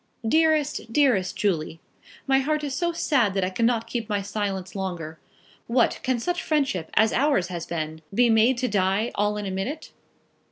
DEAREST DEAREST JULIE, My heart is so sad that I cannot keep my silence longer. What; can such friendship as ours has been be made to die all in a minute?